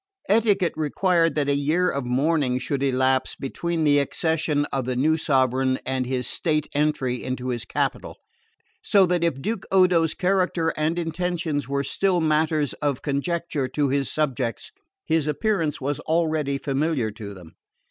Etiquette required that a year of mourning should elapse between the accession of the new sovereign and his state entry into his capital; so that if Duke Odo's character and intentions were still matter of conjecture to his subjects, his appearance was already familiar to them.